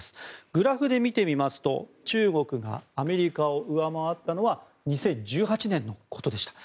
グラフで見てみますと中国がアメリカを上回ったのは２０１８年のことでした。